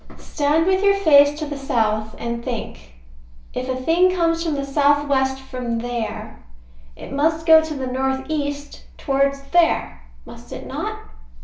Stand with your face to the south and think. If a thing comes from the south west from there, it must go to the north east towards there. Must it not?